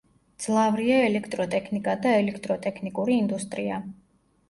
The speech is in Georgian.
მძლავრია ელექტროტექნიკა და ელექტროტექნიკური ინდუსტრია.